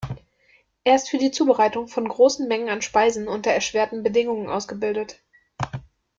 Er ist für die Zubereitung von großen Mengen an Speisen unter erschwerten Bedingungen ausgebildet.